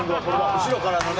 後ろからね。